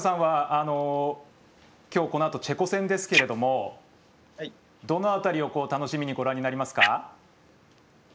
このあとチェコ戦ですけれどもどの辺りを楽しみにご覧になりますか？